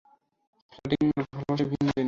Flirting আর ভালোবাসা ভিন্ন জিনিস।